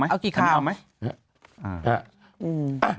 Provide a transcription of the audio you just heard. เอาไหม